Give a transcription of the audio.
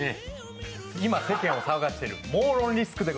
今、正解を騒がせているモーロン・リスクです。